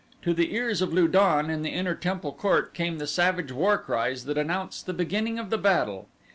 To the ears of Lu don in the inner temple court came the savage war cries that announced the beginning of the battle.